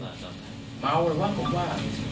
เมาหรือว่ากลุ่มว่า